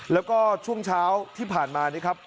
แล้วก็ช่วงเช้าที่ผ่านมานี่ครับ